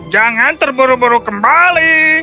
jangan terburu buru kembali